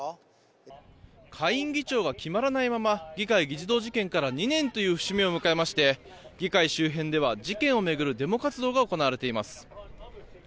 下院議長が決まらないまま議会議事堂襲撃事件から２年という節目を迎えまして議会周辺では事件を巡るデモ活動が行われています。